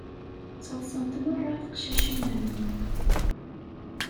Ttaḍsant meṛṛa teqcicin-nni.